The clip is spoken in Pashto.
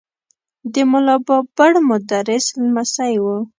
د ملا بابړ مدرس لمسی و.